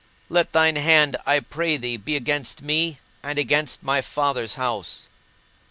Let thine hand, I pray thee, be against me and against my father's house_.